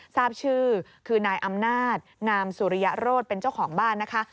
ทราบชื่อคือนายอำนาจงามสุริยโรธเป็นเจ้าของบ้านนะคะ